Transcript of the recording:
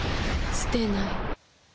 すてない。